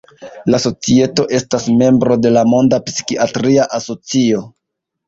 La Societo estas membro de la Monda Psikiatria Asocio.